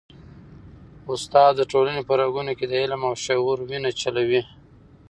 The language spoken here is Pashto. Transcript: استاد د ټولني په رګونو کي د علم او شعور وینه چلوي.